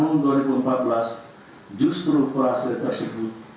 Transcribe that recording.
justru frasi tersebut